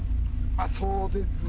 そうですね